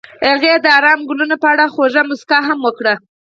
هغې د آرام ګلونه په اړه خوږه موسکا هم وکړه.